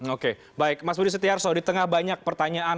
oke baik mas budi setiarso di tengah banyak pertanyaan